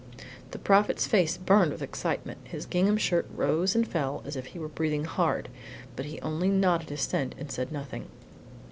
The Prophet's face burned with excitement, his gingham shirt rose and fell as if he were breathing hard, but he only nodded assent and said nothing.